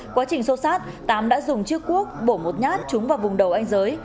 quá trình sâu sát tám đã dùng chiếc cuốc bổ một nhát trúng vào vùng đầu anh giới